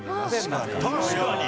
確かに。